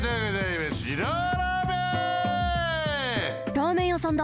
ラーメンやさんだ。